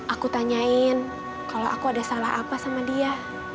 aku tanyain kalau aku ada salah apa sama dia